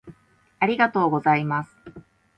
ありがとうございます